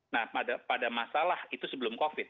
nah pada masalah itu sebelum covid